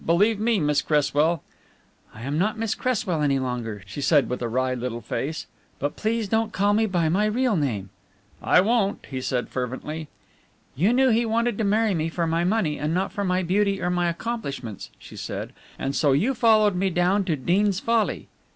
Believe me, Miss Cresswell " "I am not Miss Cresswell any longer," she said with a wry little face, "but please don't call me by my real name." "I won't," he said fervently. "You knew he wanted to marry me for my money and not for my beauty or my accomplishments," she said, "and so you followed me down to Deans Folly."